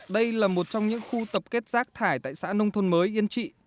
đây là một trong những khu tập kết rác thải tại xã nông thôn mới yên trị